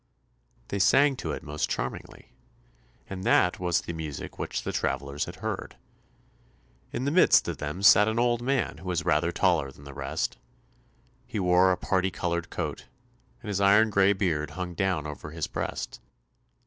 They sang to it most charmingly, and that was the music which the travellers had heard. In the midst of them sat an old man who was rather taller than the rest. He wore a parti coloured coat, and his iron grey beard hung down over his breast.